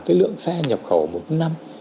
cái lượng xe nhập khẩu một năm